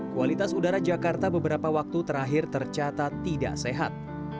kualitas udara jakarta beberapa waktu terakhir tercatat tidak sehat